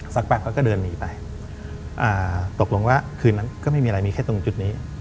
แป๊บเขาก็เดินหนีไปตกลงว่าคืนนั้นก็ไม่มีอะไรมีแค่ตรงจุดนี้